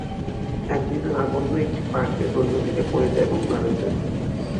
একদিন, লাবণ্য একটি পার্কে দোলনা থেকে পড়ে যায় এবং মারা যায়।